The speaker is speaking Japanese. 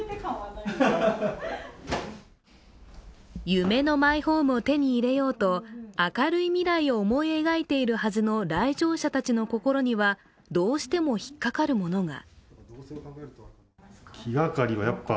夢のマイホームを手に入れようと明るい未来を思い描いているはずの来場者たちの心にはどうしても引っかかるものが。